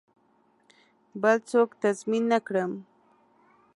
بل څوک تضمین نه کړم.